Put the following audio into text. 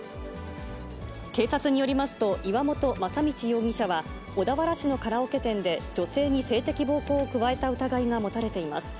警察によりますと、岩本正道容疑者は、小田原市のカラオケ店で、女性に性的暴行を加えた疑いが持たれています。